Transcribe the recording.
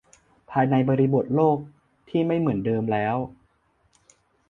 ภายในบริบทโลกที่ไม่เหมือนเดิมแล้ว